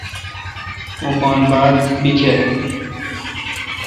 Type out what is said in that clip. اوں پان باڑ بیکر